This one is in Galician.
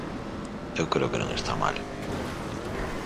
Eu creo que non está mal.